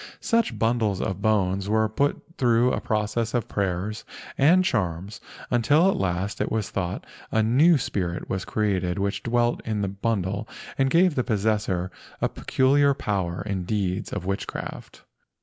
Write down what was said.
Such bundles of bones were put through a process of prayers and charms until at last it was thought a new spirit was created which dwelt in that bundle and gave the possessor a peculiar power in deeds of witchcraft.